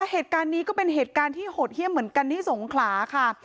เหตุการณ์นี้ก็เป็นเหตุการณ์ที่โหดเยี่ยมเหมือนกันที่สงขลาค่ะ